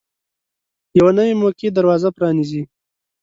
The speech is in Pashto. یوه نوې موقع دروازه پرانیزي.